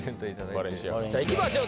いきましょう。